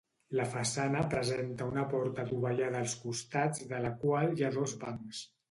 La façana presenta d'una porta dovellada als costats de la qual hi ha dos bancs.